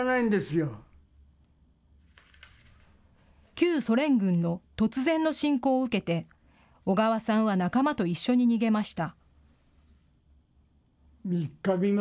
旧ソ連軍の突然の侵攻を受けて小川さんは仲間と一緒に逃げました。